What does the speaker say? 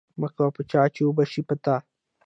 مکوه په چا چې وبه شي په تا.